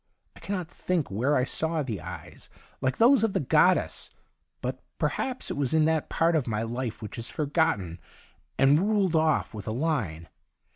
I cannot think where I saw the eyes like those of the goddess, but per haps it was in that part of my life which is forgotten and ruled off with a line.